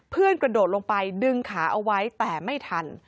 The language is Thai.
กระโดดลงไปดึงขาเอาไว้แต่ไม่ทัน